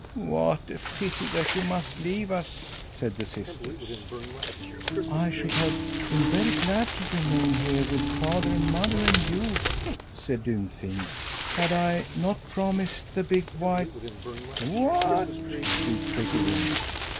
"What a pity that you must leave us!" said the sisters. "I should have been very glad to remain here with father and mother and you," said Dunfin, "had I not promised the big, white " "What!" shrieked Prettywing.